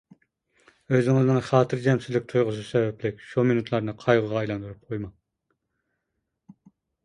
ئۆزىڭىزنىڭ خاتىرجەمسىزلىك تۇيغۇسى سەۋەبلىك شۇ مىنۇتلارنى قايغۇغا ئايلاندۇرۇپ قويماڭ.